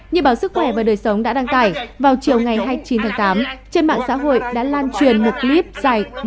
như báo sức khỏe và đời sống đã đăng tải vào chiều ngày hai mươi chín tháng tám trên mạng xã hội đã lan truyền một clip dài